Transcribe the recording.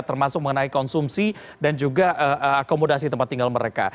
termasuk mengenai konsumsi dan juga akomodasi tempat tinggal mereka